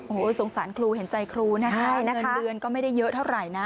โอ้โหสงสารครูเห็นใจครูนะคะเงินเดือนก็ไม่ได้เยอะเท่าไหร่นะ